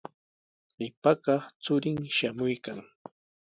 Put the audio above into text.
Qipa kaq churin shamuykan.